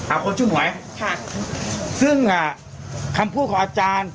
อ้าวคนชื่อหนวยซึ่งคำพูดของอาจารย์